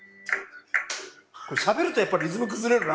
これしゃべるとやっぱリズム崩れるな。